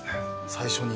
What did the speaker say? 最初に。